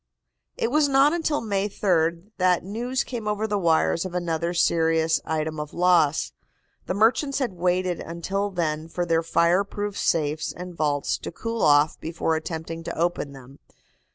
It was not until May 3d that news came over the wires of another serious item of loss. The merchants had waited until then for their fire proof safes and vaults to cool off before attempting to open them.